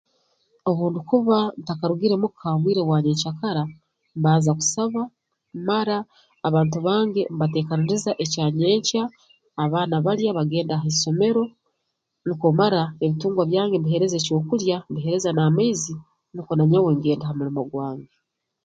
Obu ndukuba ntakarugire muka mu bwire bwa nyenkyakara mbanza kusaba mara abantu bange mbateekaniriza ekyanyenkya abaana balya bagenda ha isomero nukwo mara ebitungwa byange mbiheereza eky'okulya mbiheereza n'amaizi nukwo nanyowe ngenda ha mulimo gwange